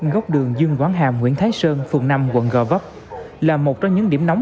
góc đường dương quảng hàm nguyễn thái sơn phường năm quận gò vấp là một trong những điểm nóng